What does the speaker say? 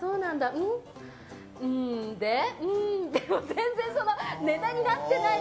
全然ネタになってない。